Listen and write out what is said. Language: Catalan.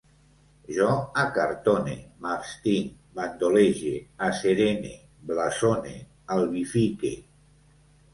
Jo acartone, m'abstinc, bandolege, asserene, blasone, albifique